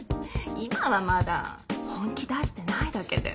今はまだ本気出してないだけで。